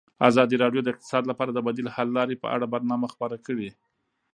ازادي راډیو د اقتصاد لپاره د بدیل حل لارې په اړه برنامه خپاره کړې.